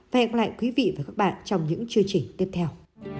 và hẹn gặp lại quý vị và các bạn trong những chương trình tiếp theo